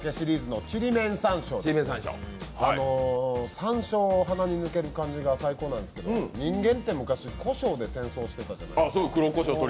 山椒、鼻に抜ける感じが最高なんですけど人間って昔、こしょうで戦争してたじゃないですか。